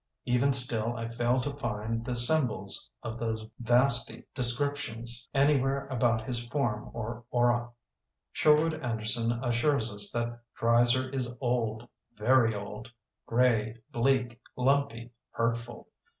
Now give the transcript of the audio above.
Even still I fail to find the symbols of those vasty descriptions anywhere about his form or aura. Sherwood Anderson assures us that Dreiser is old, very old, grey, bleak, lumpy, hurtful.